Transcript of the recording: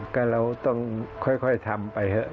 ก็เราต้องค่อยทำไปครับ